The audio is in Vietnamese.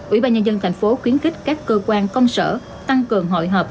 ủy ban nhà dân thành phố khuyến kích các cơ quan công sở tăng cường hội hợp